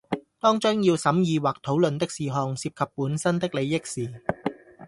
當將要審議或討論的事項涉及本身的利益時